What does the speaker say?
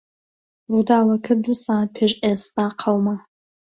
ڕووداوەکە دوو سەعات پێش ئێستا قەوما.